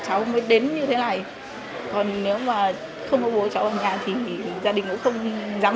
cháu mới đến như thế này còn nếu mà không có bố cháu ở nhà thì gia đình cũng không dám